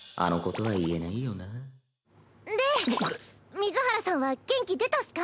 水原さんは元気出たっスか？